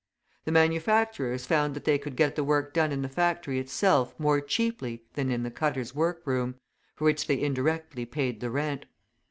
The manufacturers found that they could get the work done in the factory itself more cheaply than in the cutters' workroom, for which they indirectly paid the rent.